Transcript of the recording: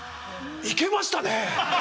いけましたね！